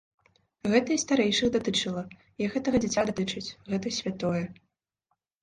Гэта і старэйшых датычыла, і гэтага дзіця датычыць, гэта святое.